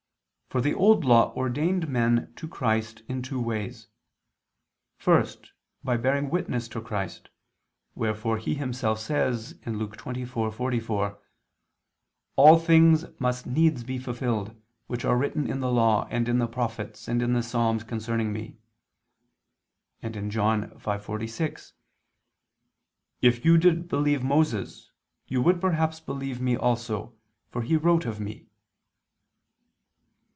For the Old Law ordained men to Christ in two ways. First by bearing witness to Christ; wherefore He Himself says (Luke 24:44): "All things must needs be fulfilled, which are written in the law ... and in the prophets, and in the psalms, concerning Me": and (John 5:46): "If you did believe Moses, you would perhaps believe Me also; for he wrote of Me."